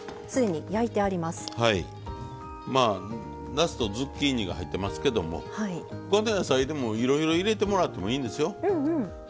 なすとズッキーニが入ってますけども他の野菜でもいろいろ入れてもらってもいいんですよ。